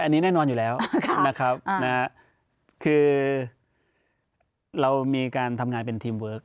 อันนี้แน่นอนอยู่แล้วนะครับคือเรามีการทำงานเป็นทีมเวิร์ค